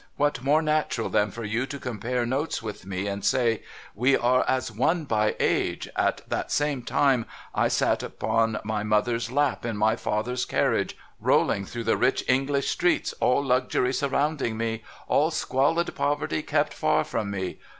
What more natural than for you to compare notes with me, and say, " We are as one by age ; at that same time I sat upon my mother's lap in my father's carriage, rolling through the rich English streets, all luxury surrounding me, all squalid poverty kept far from me.